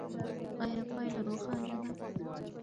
ایا پایله روښانه ده؟